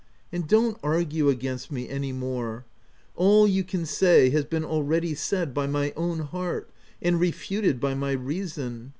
—" And don't argue against me any more : all you can say has been already said by my own heart and refuted by my reason.